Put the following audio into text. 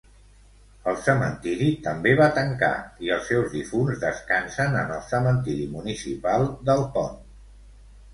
El cementiri també va tancar i els seus difunts descansen en el cementiri municipal d'Alpont.